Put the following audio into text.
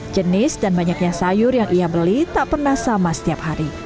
jenis dan banyaknya sayur yang ia beli tak pernah sama setiap hari